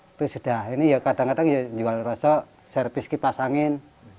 itu sudah ini ya kadang kadang ya jual rosok servis kipas angin